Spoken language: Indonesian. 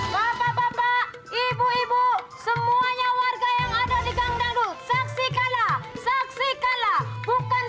bapak bapak ibu ibu semuanya warga yang ada di kangdalu saksi kalah saksi kalah bukan